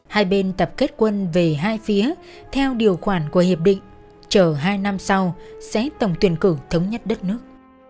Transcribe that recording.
hai bên tập kết quân về hai phía theo điều khoản của hiệp định chờ hai năm sau sẽ tổng tuyển cử thống nhất đất nước